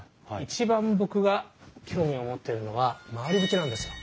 一番僕が興味を持ってるのは廻り縁なんですよ。